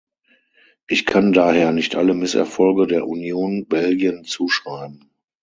Ich kann daher nicht alle Misserfolge der Union Belgien zuschreiben.